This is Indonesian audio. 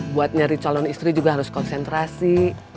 buat nyari calon istri juga harus konsentrasi